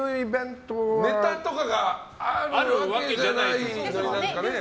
ネタとかがあるわけじゃない何かね。